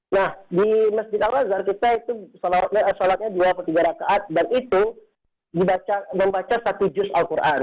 nah di masjid al azhar kita itu sholatnya dua atau tiga rakat dan itu membaca satu juz' al qur'an